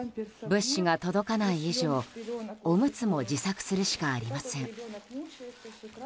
物資が届かない以上、おむつも自作するしかありません。